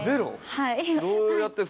はい。